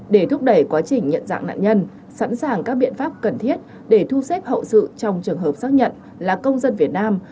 để thúc đẩy quá trình nhận dạng nạn nhân sẵn sàng các biện pháp cần thiết để thu xếp hậu sự trong trường hợp xác nhận là công dân việt nam